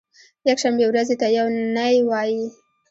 یکشنبې ورځې ته یو نۍ وایی